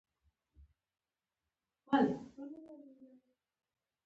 هوښیار انسان هغه دی چې د نورو خبرو ته غوږ نیسي.